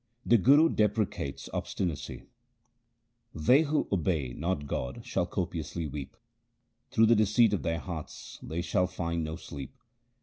The Guru deprecates obstinacy :— They who obey not God shall copiously weep ; Through the deceit of their hearts they shall find no sleep.